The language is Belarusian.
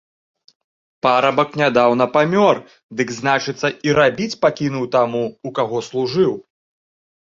Парабак нядаўна памёр, дык, значыцца, і рабіць пакінуў таму, у каго служыў.